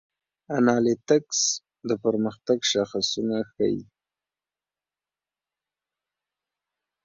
انالیتکس د پرمختګ شاخصونه ښيي.